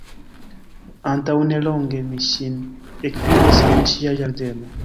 Antaŭnelonge mi ŝin ekvidis en ŝia ĝardeno.